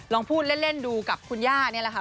ลองพูดเล่นดูกับคุณย่านี่แหละค่ะ